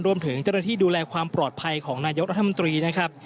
รวมถึงเจ้าหน้าที่ดูแลความปลอดภัยของนายกรัฐมนตรีนะครับ